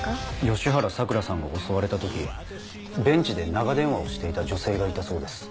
吉原さくらさんが襲われた時ベンチで長電話をしていた女性がいたそうです。